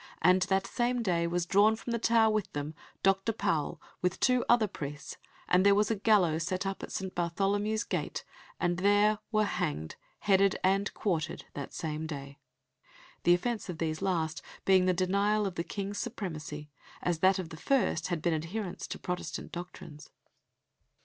And that same day also was drawn from the Tower with them Doctor Powell, with two other priests, and there was a gallows set up at St. Bartholomew's Gate, and there were hanged, headed, and quartered that same day" the offence of these last being the denial of the King's supremacy, as that of the first had been adherence to Protestant doctrines.